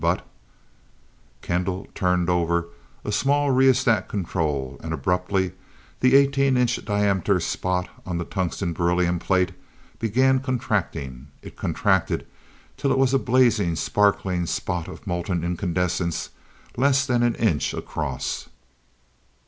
But " Kendall turned over a small rheostat control and abruptly the eighteen inch diameter spot on the tungsten beryllium plate began contracting; it contracted till it was a blazing, sparkling spot of molten incandescence less than an inch across!